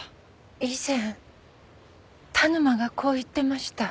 以前田沼がこう言ってました。